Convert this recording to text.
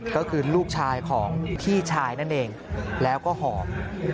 ก็คือลูกชายของพี่ชายนั่นเองแล้วก็หอม